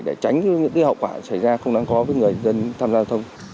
để tránh những hậu quả xảy ra không đáng có với người dân tham gia giao thông